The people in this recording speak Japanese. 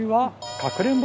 かくれんぼ！？